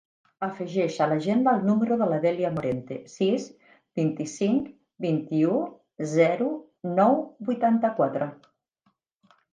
Afegeix a l'agenda el número de la Dèlia Morente: sis, vint-i-cinc, vint-i-u, zero, nou, vuitanta-quatre.